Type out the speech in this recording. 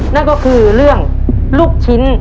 นั่นก็คือเรื่องลูกชิ้น